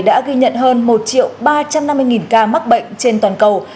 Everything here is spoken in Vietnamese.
đã ghi nhận hơn một ba trăm năm mươi ca mắc bệnh trên toàn cầu